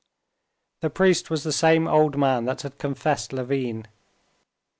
The priest was the same old man that had confessed Levin.